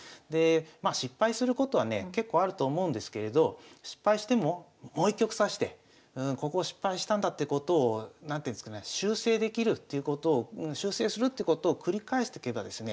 まあ失敗することはね結構あると思うんですけれど失敗してももう一局指してここを失敗したんだってことを何ていうんですかね修正できるっていうことを修正するってことを繰り返してけばですね